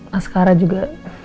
mas kara juga